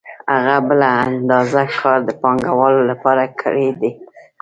هغه بله اندازه کار د پانګوال لپاره کړی دی